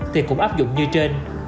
thì cũng áp dụng như trên